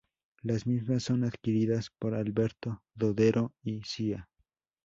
Las mismas son adquiridas por Alberto Dodero y Cía.